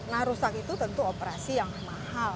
nah rusak itu tentu operasi yang mahal